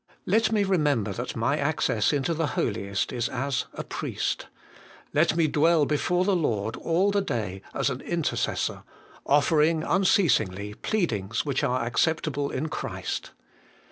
6. Let me remember that my access into the Holiest is as a Priest. Let me dwell before the Lord all the day as an Intercessor, offering, unceasingly, pleadings which are acceptable in Christ.